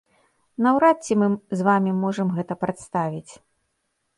Наўрад ці мы з вамі можам гэта прадставіць.